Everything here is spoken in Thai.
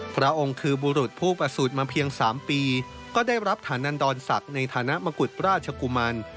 พระองค์คือบุรุษผู้ประสูจน์มาเพียง๓ปีก็ได้รับฐานันดรศักดิ์ในฐานะมกุฎราชกุมัน